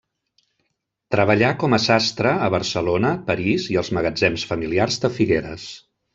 Treballà com a sastre a Barcelona, París i als magatzems familiars de Figueres.